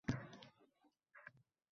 Yashagim kelmay qolgandi